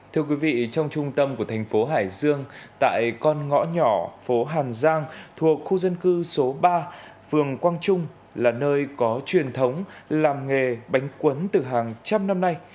thưa quý vị trong trung tâm của thành phố hải dương tại con ngõ nhỏ phố hàn giang thuộc khu dân cư số ba phường quang trung là nơi có truyền thống làm nghề bánh quấn từ hàng trăm năm nay